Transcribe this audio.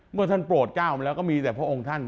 เมื่อท่านโปรดก้าวมาแล้วก็มีแต่พระองค์ท่าน